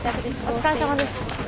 お疲れさまです。